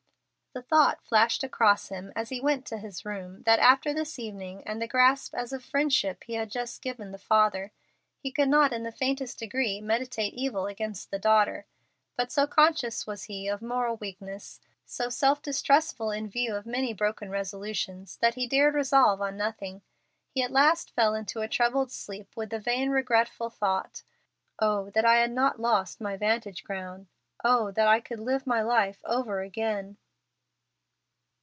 The thought flashed across him as he went to his room, that after this evening and the grasp as of friendship he had just given the father, he could not in the faintest degree meditate evil against the daughter. But so conscious was he of moral weakness, so self distrustful in view of many broken resolutions, that he dared resolve on nothing. He at last fell into a troubled sleep with the vain, regretful thought, "Oh that I had not lost my vantage ground! Oh that I could live my life over again!"